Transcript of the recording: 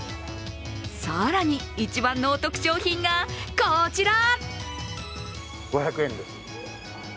更に、一番のお得商品がこちら！